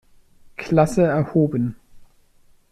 Klasse erhoben.